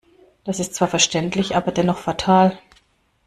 Das ist zwar verständlich, aber dennoch fatal.